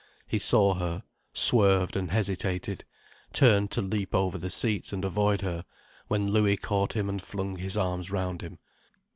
He saw her, swerved, and hesitated, turned to leap over the seats and avoid her, when Louis caught him and flung his arms round him.